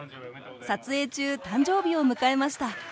撮影中誕生日を迎えました。